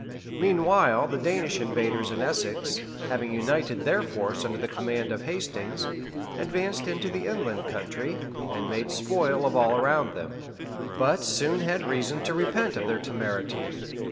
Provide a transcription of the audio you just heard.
] Meanwhile the Danish invaders in Essex, having united their force under the command of Hastings, advanced into the inland country, and made spoil of all around them; but soon had reason to repent of their temerity.